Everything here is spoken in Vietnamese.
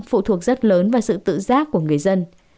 phụ thuộc rất lớn vào sự tự giác của người dân